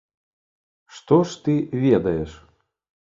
Што ж ты ведаеш?